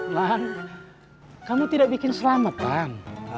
bang kamu tidak bikin selamatan